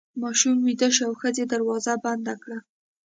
ماشوم ویده شو او ښځې دروازه بنده کړه.